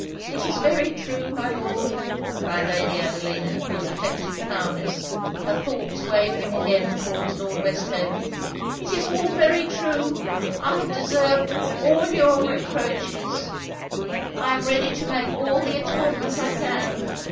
'It is very true, my Lord!' cried Lady Adelina, with affected calmness, her thoughts wavering again towards Lord Westhaven 'It is all very true! I have deserved all your reproaches! I am ready to make all the atonement I can!